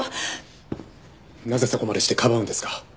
なぜそこまでしてかばうんですか？